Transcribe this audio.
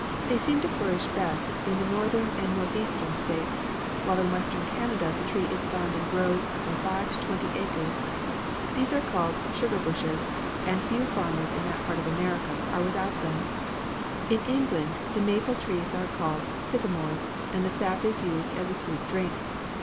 They seem to flourish best in the Northern and North eastern States, while in Western Canada the tree is found in groves of from five to twenty acres. These are called 'sugar bushes,' and few farmers in that part of America are without them. In England the maple trees are called 'sycamores,' and the sap is used as a sweet drink.